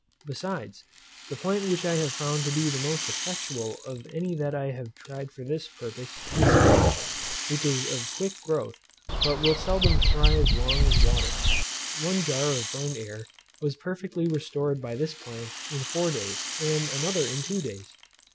Besides, the plant which I have found to be the most effectual of any that I have tried for this purpose is spinach, which is of quick growth, but will seldom thrive long in water. One jar of burned air was perfectly restored by this plant in four days, and another in two days.